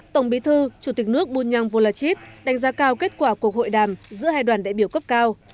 tổng bí thư chủ tịch nước bunyang volachit đánh giá cao kết quả cuộc hội đàm giữa hai đoàn đại biểu cấp cao